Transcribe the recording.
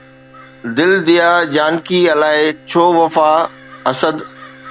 دل ديا جانڪي الائي ڇو وفا، اسد